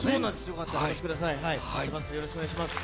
よろしくお願いします。